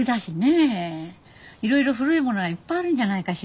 いろいろ古いものがいっぱいあるんじゃないかしら。